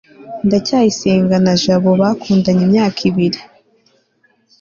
ndacyayisenga na jabo bakundanye imyaka ibiri